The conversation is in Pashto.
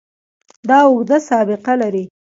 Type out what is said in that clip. دا اوږده سابقه لري.